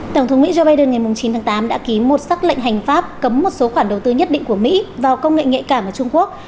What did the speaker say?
tổng thống mỹ joe biden ngày chín tháng tám đã ký một xác lệnh hành pháp cấm một số khoản đầu tư nhất định của mỹ vào công nghệ nhạy cảm ở trung quốc